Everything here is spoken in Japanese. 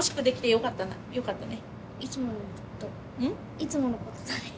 いつものことだよ。